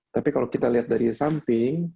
tapi kalau kita lihat dari samping